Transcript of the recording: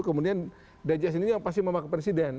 kemudian dgsn ini yang pasti membangun ke presiden